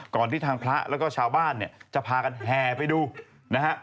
ที่ทางพระแล้วก็ชาวบ้านเนี่ยจะพากันแห่ไปดูนะฮะ